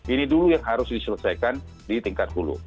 ini dulu yang harus diselesaikan di tingkat hulu